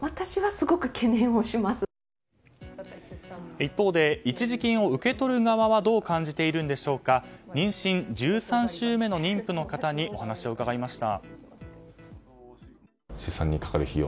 一方で一時金を受け取る側はどう感じているのか妊娠１３週目の妊婦の方にお話を伺いました。